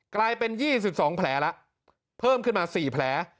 กลายเป็น๒๒แผลแล้วเพิ่มขึ้นมา๔แผล